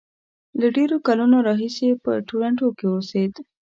له ډېرو کلونو راهیسې په ټورنټو کې اوسېد.